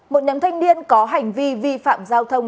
một nhóm thanh niên có hành vi vi phạm giao thông